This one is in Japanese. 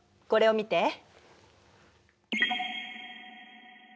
これを見て。